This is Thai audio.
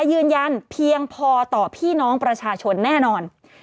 ยืนยันเพียงพอต่อพี่น้องประชาชนแน่นอน